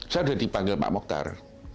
saya sudah dipanggil pak mokhtar